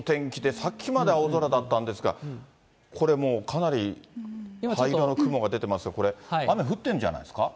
さっきまで青空だったんですが、これもう、かなり灰色の雲が出ていますが、これ、雨降ってるんじゃないですか？